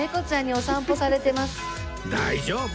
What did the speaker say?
大丈夫？